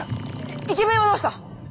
イケメンはどうした？